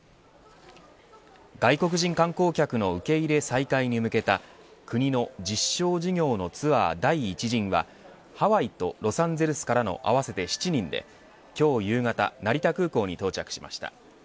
外国人観光客の受け入れ再開に向けた国の実証事業のツアー第１陣はハワイとロサンゼルスからの合わせて７人で今日夕方成田空港に到着しました。